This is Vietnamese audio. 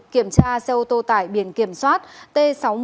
kiểm tra xe ô tô tải biển kiểm soát t sáu mươi ba trăm một mươi sáu